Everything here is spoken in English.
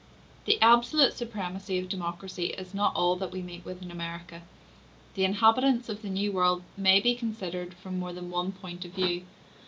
The absolute supremacy of democracy is not all that we meet with in America; the inhabitants of the New World may be considered from more than one point of view.